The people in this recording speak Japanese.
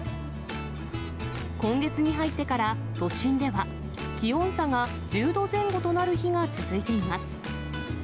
今月に入ってから、都心では、気温差が１０度前後となる日が続いています。